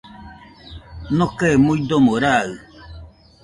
Nokae jillakɨmo raɨ